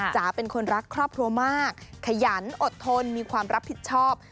จ๋าเป็นคนรักครอบครัวมากขยันอดทนมีความรับผิดชอบ